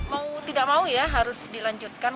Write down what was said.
mau tidak mau ya harus dilanjutkan